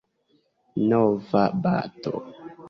Nova bato.